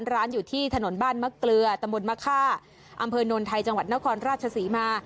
ร้านอยู่ที่ถนนบ้านมะเกลือตำบลมะค่าอำเภอโนนไทยจังหวัดนครราชศรีมา